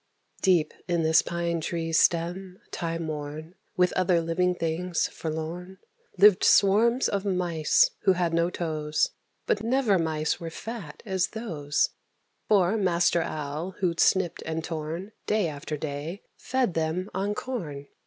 Deep in this pine tree's stem, time worn, With other living things forlorn, Lived swarms of Mice, who had no toes; But never Mice were fat as those, For Master Owl, who'd snipped and torn, Day after day fed them on corn.